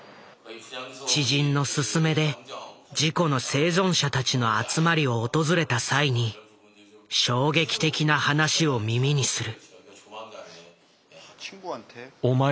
知人の勧めで事故の生存者たちの集まりを訪れた際に衝撃的な話を耳にする。